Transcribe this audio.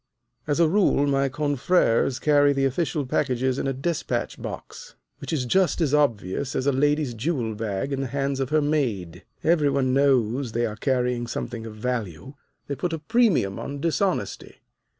As a rule, my confreres carry the official packages in a despatch box, which is just as obvious as a lady's jewel bag in the hands of her maid. Every one knows they are carrying something of value. They put a premium on dishonesty.